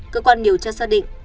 cơ quan điều tra xác định